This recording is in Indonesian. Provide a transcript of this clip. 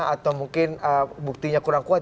atau mungkin buktinya kurang kuat